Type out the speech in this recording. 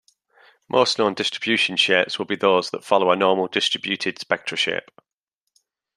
Most known distribution shapes would be those that follow a normal distributed spectra shape.